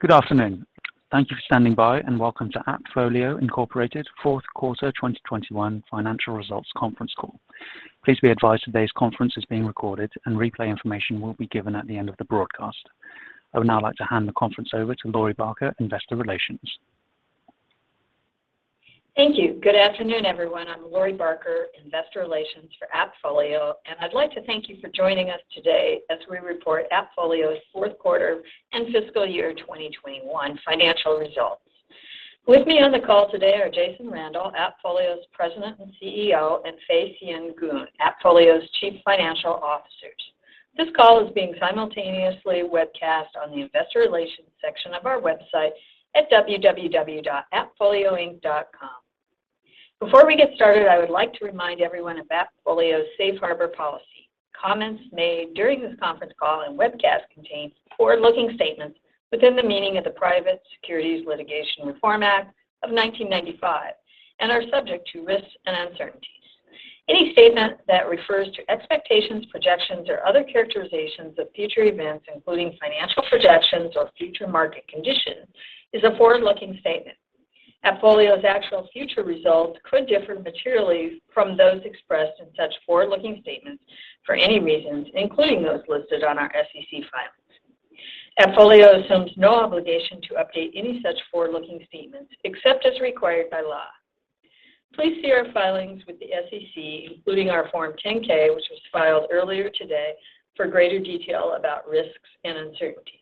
Good afternoon. Thank you for standing by, and welcome to AppFolio, Inc. Q4 2021 Financial Results Conference Call. Please be advised today's conference is being recorded and replay information will be given at the end of the broadcast. I would now like to hand the conference over to Lori Barker, Investor Relations. Thank you. Good afternoon, everyone. I'm Lori Barker, Investor Relations for AppFolio, and I'd like to thank you for joining us today as we report AppFolio's Q4 and fiscal year 2021 financial results. With me on the call today are Jason Randall, AppFolio's President and Chief Executive Officer, and Fay Sien Goon, AppFolio's Chief Financial Officer. This call is being simultaneously webcast on the investor relations section of our website at www.appfolioinc.com. Before we get started, I would like to remind everyone of AppFolio's safe harbor policy. Comments made during this conference call and webcast contain forward-looking statements within the meaning of the Private Securities Litigation Reform Act of 1995 and are subject to risks and uncertainties. Any statement that refers to expectations, projections, or other characterizations of future events, including financial projections or future market conditions, is a forward-looking statement. AppFolio's actual future results could differ materially from those expressed in such forward-looking statements for any reasons, including those listed on our SEC filings. AppFolio assumes no obligation to update any such forward-looking statements except as required by law. Please see our filings with the SEC, including our Form 10-K, which was filed earlier today, for greater detail about risks and uncertainties.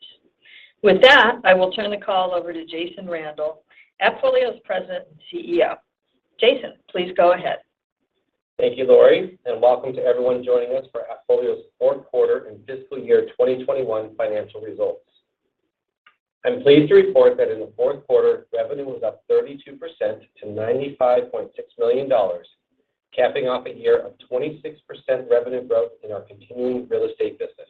With that, I will turn the call over to Jason Randall, AppFolio's President and Chief Executive Officer. Jason, please go ahead. Thank you, Lori, and welcome to everyone joining us for AppFolio's Q4 and fiscal year 2021 financial results. I'm pleased to report that in the Q4, revenue was up 32% to $95.6 million, capping off a year of 26% revenue growth in our continuing real estate business.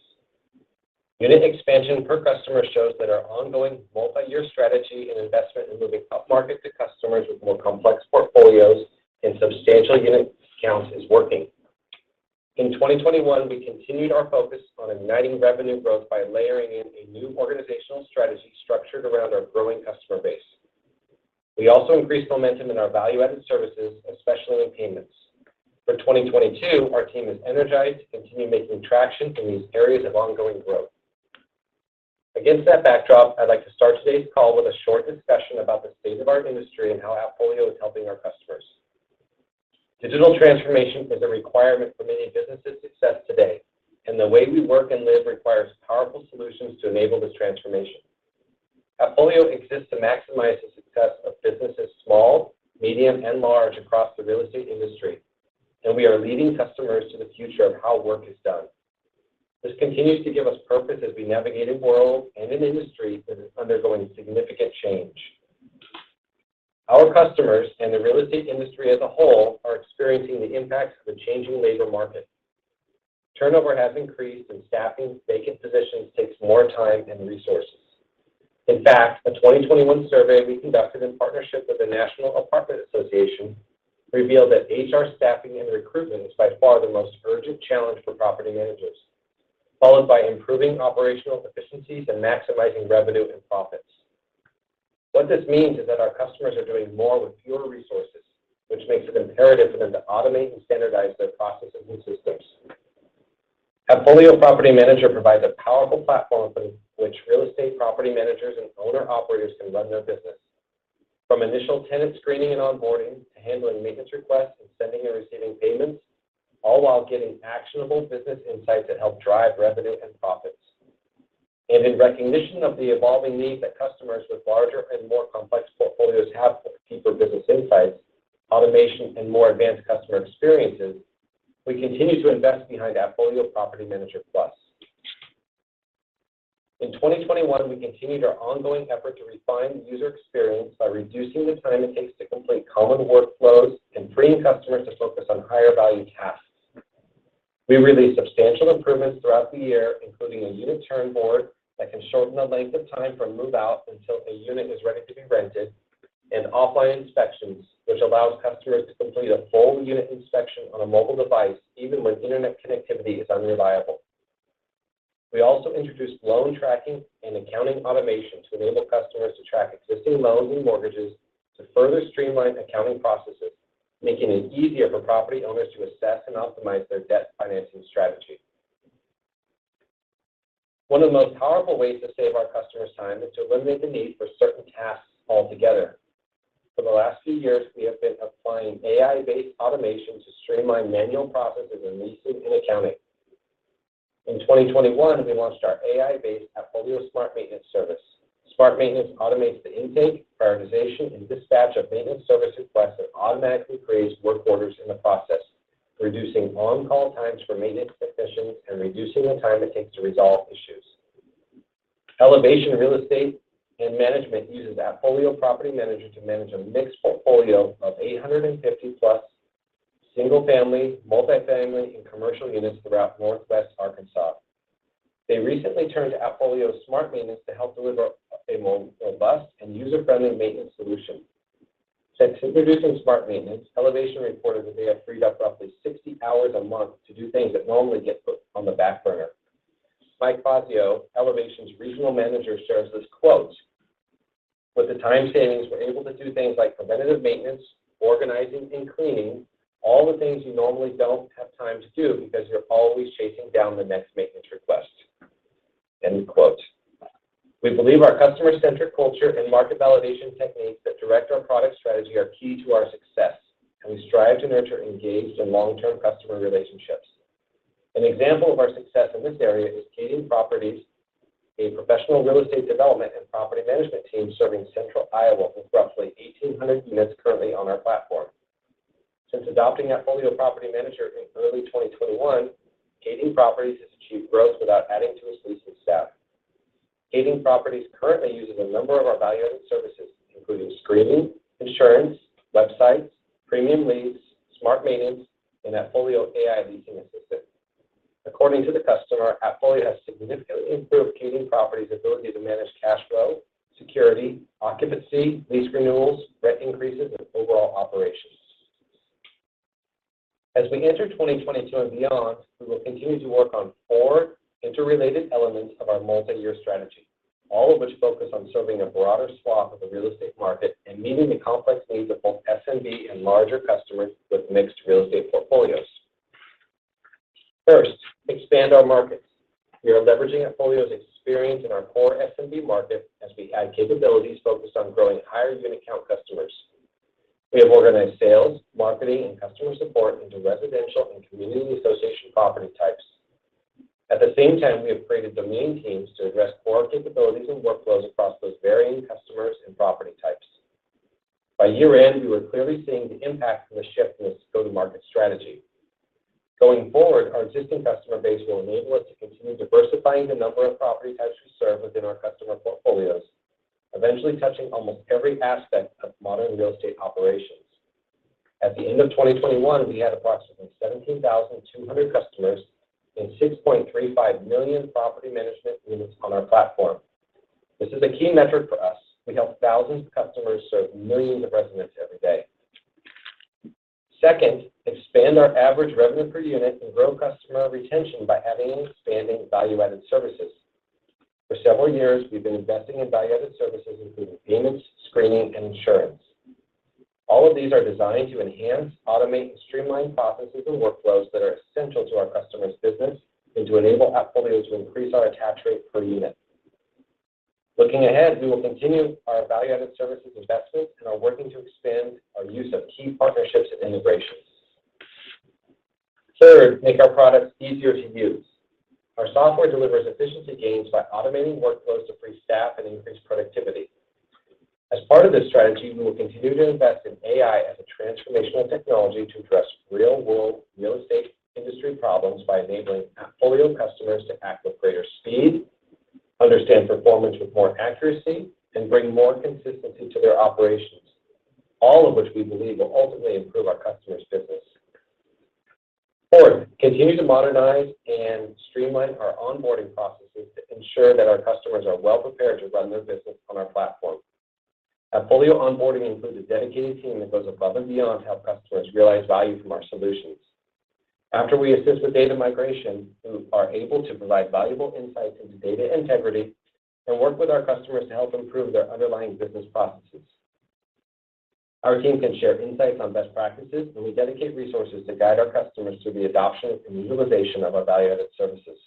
Unit expansion per customer shows that our ongoing multi-year strategy and investment in moving upmarket to customers with more complex portfolios and substantial unit count is working. In 2021, we continued our focus on igniting revenue growth by layering in a new organizational strategy structured around our growing customer base. We also increased momentum in our value-added services, especially in payments. For 2022, our team is energized to continue making traction in these areas of ongoing growth. Against that backdrop, I'd like to start today's call with a short discussion about the state of our industry and how AppFolio is helping our customers. Digital transformation is a requirement for many businesses' success today, and the way we work and live requires powerful solutions to enable this transformation. AppFolio exists to maximize the success of businesses small, medium, and large across the real estate industry, and we are leading customers to the future of how work is done. This continues to give us purpose as we navigate a world and an industry that is undergoing significant change. Our customers and the real estate industry as a whole are experiencing the impacts of a changing labor market. Turnover has increased, and staffing vacant positions takes more time and resources. In fact, a 2021 survey we conducted in partnership with the National Apartment Association revealed that HR staffing and recruitment is by far the most urgent challenge for property managers, followed by improving operational efficiencies and maximizing revenue and profits. What this means is that our customers are doing more with fewer resources, which makes it imperative for them to automate and standardize their processes and systems. AppFolio Property Manager provides a powerful platform from which real estate property managers and owner-operators can run their business, from initial tenant screening and onboarding to handling maintenance requests and sending and receiving payments, all while getting actionable business insights that help drive revenue and profits. In recognition of the evolving needs that customers with larger and more complex portfolios have for deeper business insights, automation, and more advanced customer experiences, we continue to invest behind AppFolio Property Manager Plus. In 2021, we continued our ongoing effort to refine the user experience by reducing the time it takes to complete common workflows and freeing customers to focus on higher-value tasks. We released substantial improvements throughout the year, including a unit turn board that can shorten the length of time from move-out until a unit is ready to be rented, and offline inspections, which allows customers to complete a full unit inspection on a mobile device even when internet connectivity is unreliable. We also introduced loan tracking and accounting automation to enable customers to track existing loans and mortgages to further streamline accounting processes, making it easier for property owners to assess and optimize their debt financing strategy. One of the most powerful ways to save our customers time is to eliminate the need for certain tasks altogether. For the last few years, we have been applying AI-based automation to streamline manual processes in leasing and accounting. In 2021, we launched our AI-based AppFolio Smart Maintenance service. Smart Maintenance automates the intake, prioritization, and dispatch of maintenance service requests and automatically creates work orders in the process, reducing on-call times for maintenance technicians and reducing the time it takes to resolve issues. Elevation Real Estate and Management uses AppFolio Property Manager to manage a mixed portfolio of 850+ single-family, multi-family, and commercial units throughout Northwest Arkansas. They recently turned to AppFolio Smart Maintenance to help deliver a more robust and user-friendly maintenance solution. Since introducing Smart Maintenance, Elevation reported that they have freed up roughly 60 hours a month to do things that normally get put on the back burner. Mike Fazio, Elevation's regional manager, shares this quote: "With the time savings, we're able to do things like preventative maintenance, organizing, and cleaning, all the things you normally don't have time to do because you're always chasing down the next maintenance request." End quote. We believe our customer-centric culture and market validation techniques that direct our product strategy are key to our success, and we strive to nurture engaged and long-term customer relationships. An example of our success in this area is Kading Properties, a professional real estate development and property management team serving Central Iowa with roughly 1,800 units currently on our platform. Since adopting AppFolio Property Manager in early 2021, Kading Properties has achieved growth without adding to its leasing staff. Kading Properties currently uses a number of our value-added services, including screening, insurance, websites, premium leads, smart maintenance, and AppFolio AI Leasing Assistant. According to the customer, AppFolio has significantly improved Kading Properties' ability to manage cash flow, security, occupancy, lease renewals, rent increases, and overall operations. As we enter 2022 and beyond, we will continue to work on four interrelated elements of our multi-year strategy, all of which focus on serving a broader swath of the real estate market and meeting the complex needs of both SMB and larger customers with mixed real estate portfolios. First, expand our markets. We are leveraging AppFolio's experience in our core SMB market as we add capabilities focused on growing higher unit count customers. We have organized sales, marketing, and customer support into residential and community association property types. At the same time, we have created domain teams to address core capabilities and workflows across those varying customers and property types. By year-end, we were clearly seeing the impact from the shift in this go-to-market strategy. Going forward, our existing customer base will enable us to continue diversifying the number of property types we serve within our customer portfolios, eventually touching almost every aspect of modern real estate operations. At the end of 2021, we had approximately 17,200 customers and 6.35 million property management units on our platform. This is a key metric for us. We help thousands of customers serve millions of residents every day. Second, expand our average revenue per unit and grow customer retention by adding and expanding value-added services. For several years, we've been investing in value-added services, including payments, screening, and insurance. All of these are designed to enhance, automate, and streamline processes and workflows that are essential to our customers' business and to enable AppFolio to increase our attach rate per unit. Looking ahead, we will continue our value-added services investment and are working to expand our use of key partnerships and integrations. Third, make our products easier to use. Our software delivers efficiency gains by automating workflows to free staff and increase productivity. As part of this strategy, we will continue to invest in AI as a transformational technology to address real-world real estate industry problems by enabling AppFolio customers to act with greater speed, understand performance with more accuracy, and bring more consistency to their operations, all of which we believe will ultimately improve our customers' business. Fourth, continue to modernize and streamline our onboarding processes to ensure that our customers are well-prepared to run their business on our platform. AppFolio onboarding includes a dedicated team that goes above and beyond to help customers realize value from our solutions. After we assist with data migration, we are able to provide valuable insights into data integrity and work with our customers to help improve their underlying business processes. Our team can share insights on best practices, and we dedicate resources to guide our customers through the adoption and utilization of our value-added services.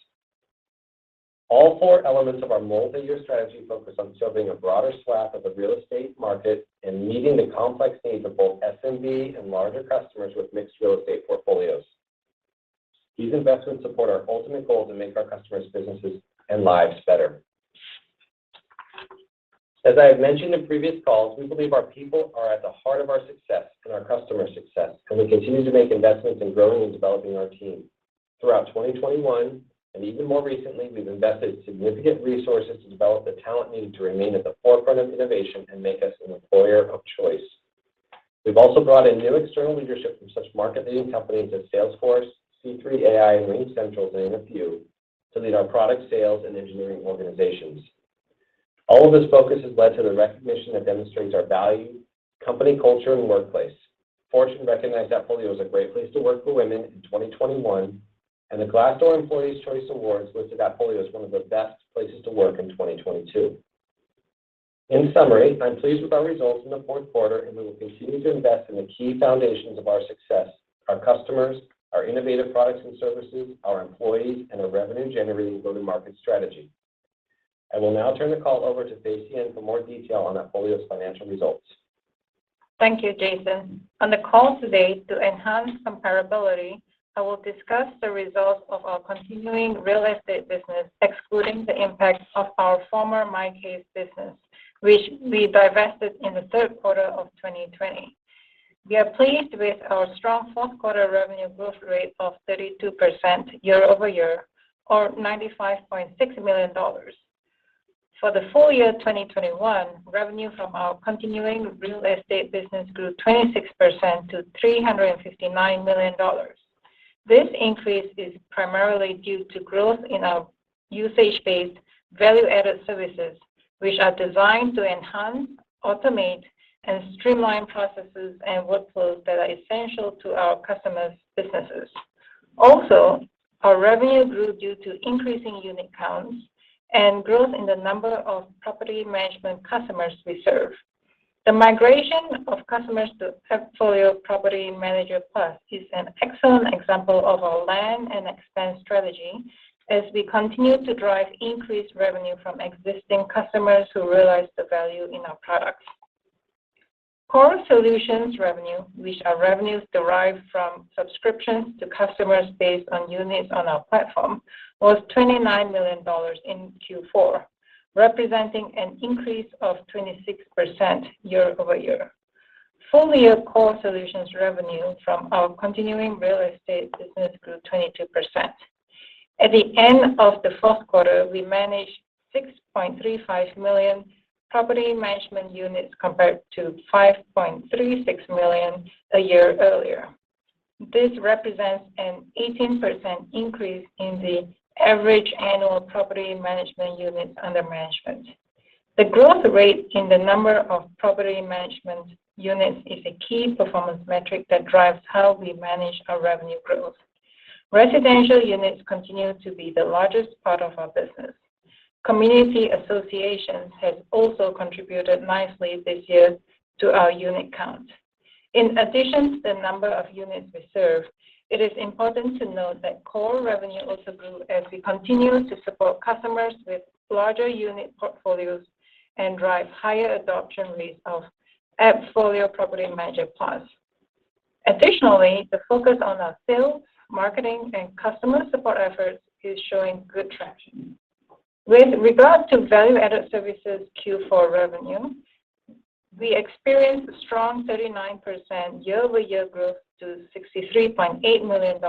All four elements of our multi-year strategy focus on serving a broader swath of the real estate market and meeting the complex needs of both SMB and larger customers with mixed real estate portfolios. These investments support our ultimate goal to make our customers' businesses and lives better. As I have mentioned in previous calls, we believe our people are at the heart of our success and our customer success, and we continue to make investments in growing and developing our team. Throughout 2021, and even more recently, we've invested significant resources to develop the talent needed to remain at the forefront of innovation and make us an employer of choice. We've also brought in new external leadership from such market-leading companies as Salesforce, C3.ai, and RingCentral to name a few, to lead our product sales and engineering organizations. All of this focus has led to the recognition that demonstrates our value, company culture, and workplace. Fortune recognized AppFolio as a great place to work for women in 2021, and the Glassdoor Employees' Choice Awards listed AppFolio as one of the best places to work in 2022. In summary, I'm pleased with our results in the Q4, and we will continue to invest in the key foundations of our success, our customers, our innovative products and services, our employees, and our revenue-generating go-to-market strategy. I will now turn the call over to Fay Sien Goon for more detail on AppFolio's financial results. Thank you, Jason. On the call today, to enhance comparability, I will discuss the results of our continuing real estate business, excluding the impact of our former MyCase business, which we divested in the Q3 of 2020. We are pleased with our strong Q4 revenue growth rate of 32% year-over-year or $95.6 million. For the full year 2021, revenue from our continuing real estate business grew 26% to $359 million. This increase is primarily due to growth in our usage-based value-added services, which are designed to enhance, automate, and streamline processes and workflows that are essential to our customers' businesses. Also, our revenue grew due to increasing unit counts and growth in the number of property management customers we serve. The migration of customers to AppFolio Property Manager Plus is an excellent example of our land and expand strategy as we continue to drive increased revenue from existing customers who realize the value in our products. Core solutions revenue, which are revenues derived from subscriptions to customers based on units on our platform, was $29 million in Q4, representing an increase of 26% year-over-year. Full year core solutions revenue from our continuing real estate business grew 22%. At the end of the Q4, we managed 6.35 million property management units compared to 5.36 million a year earlier. This represents an 18% increase in the average annual property management units under management. The growth rate in the number of property management units is a key performance metric that drives how we manage our revenue growth. Residential units continue to be the largest part of our business. Community associations have also contributed nicely this year to our unit count. In addition to the number of units we serve, it is important to note that core revenue also grew as we continue to support customers with larger unit portfolios and drive higher adoption rates of AppFolio Property Manager Plus. Additionally, the focus on our sales, marketing, and customer support efforts is showing good traction. With regard to value-added services Q4 revenue, we experienced a strong 39% year-over-year growth to $63.8 million,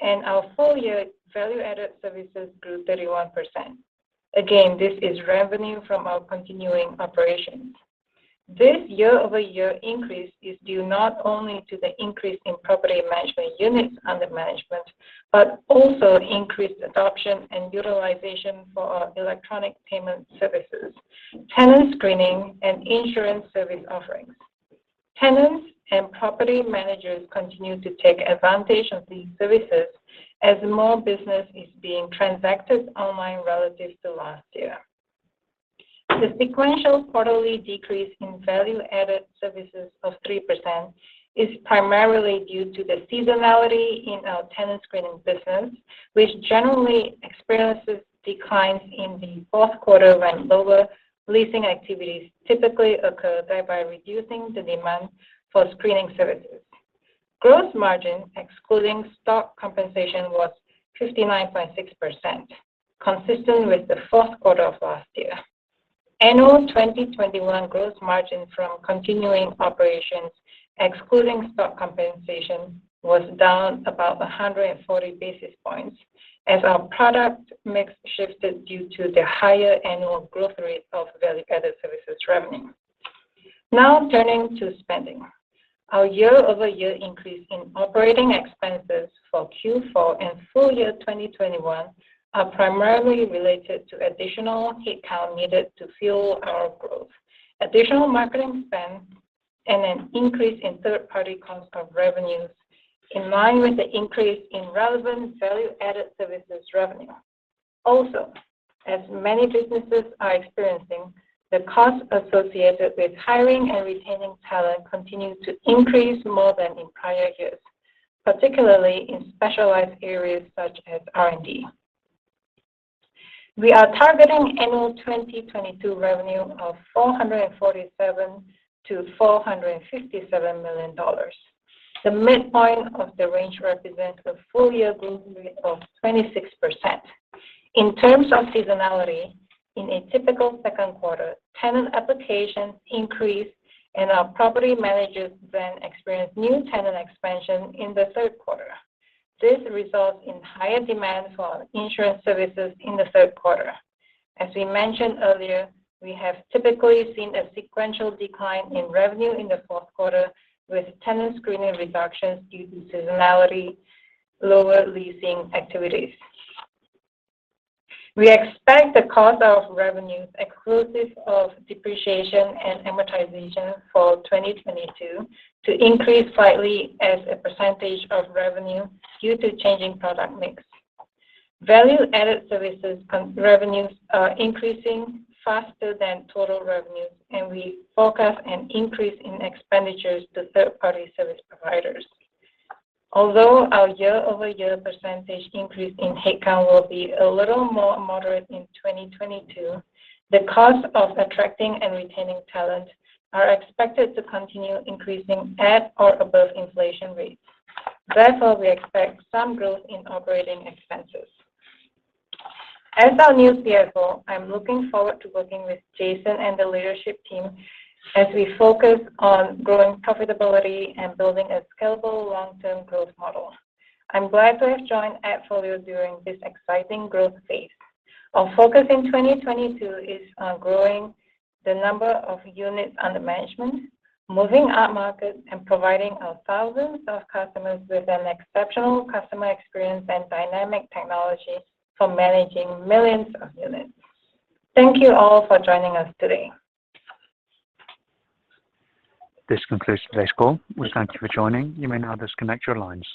and our full year value-added services grew 31%. Again, this is revenue from our continuing operations. This year-over-year increase is due not only to the increase in property management units under management but also increased adoption and utilization for our electronic payment services, tenant screening, and insurance service offerings. Tenants and property managers continue to take advantage of these services as more business is being transacted online relative to last year. The sequential quarterly decrease in value-added services of 3% is primarily due to the seasonality in our tenant screening business, which generally experiences declines in the Q4 when lower leasing activities typically occur, thereby reducing the demand for screening services. Gross margin, excluding stock compensation, was 59.6%, consistent with the Q4 of last year. Annual 2021 gross margin from continuing operations, excluding stock compensation, was down about 140 basis points as our product mix shifted due to the higher annual growth rate of value-added services revenue. Now turning to spending. Our year-over-year increase in operating expenses for Q4 and full year 2021 are primarily related to additional headcount needed to fuel our growth, additional marketing spend, and an increase in third-party cost of revenues in line with the increase in relevant value-added services revenue. Also, as many businesses are experiencing, the cost associated with hiring and retaining talent continues to increase more than in prior years, particularly in specialized areas such as R&D. We are targeting annual 2022 revenue of $447 million-$457 million. The midpoint of the range represents a full year growth rate of 26%. In terms of seasonality, in a typical Q2, tenant applications increase, and our property managers then experience new tenant expansion in the Q3. This results in higher demand for our insurance services in the Q3. As we mentioned earlier, we have typically seen a sequential decline in revenue in the Q4 with tenant screening reductions due to seasonality, lower leasing activities. We expect the cost of revenues exclusive of depreciation and amortization for 2022 to increase slightly as a percentage of revenue due to changing product mix. Value-added services revenues are increasing faster than total revenues, and we forecast an increase in expenditures to third-party service providers. Although our year-over-year percentage increase in headcount will be a little more moderate in 2022, the cost of attracting and retaining talent are expected to continue increasing at or above inflation rates. Therefore, we expect some growth in operating expenses. As our new Chief Financial Officer, I'm looking forward to working with Jason and the leadership team as we focus on growing profitability and building a scalable long-term growth model. I'm glad to have joined AppFolio during this exciting growth phase. Our focus in 2022 is on growing the number of units under management, moving upmarket, and providing our thousands of customers with an exceptional customer experience and dynamic technology for managing millions of units. Thank you all for joining us today. This concludes today's call. We thank you for joining. You may now disconnect your lines.